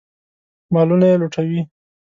مالونه یې لوټوي.